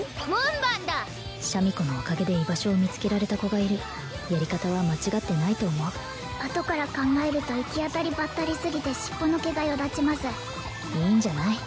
シャミ子のおかげで居場所を見つけられた子がいるやり方は間違ってないと思うあとから考えると行き当たりばったりすぎて尻尾の毛がよだちますいいんじゃない？